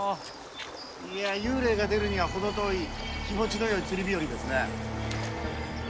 いや幽霊が出るには程遠い気持ちの良い釣り日和ですね。